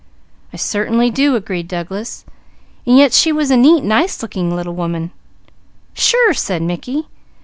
"I certainly do," agreed Douglas, "and yet she was a neat, nice looking little woman." "Sure!" said Mickey.